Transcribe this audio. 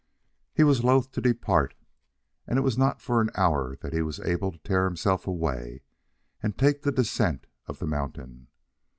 He was loath to depart, and it was not for an hour that he was able to tear himself away and take the descent of the mountain.